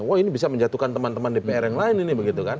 wah ini bisa menjatuhkan teman teman dpr yang lain ini begitu kan